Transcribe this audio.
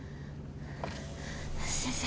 先生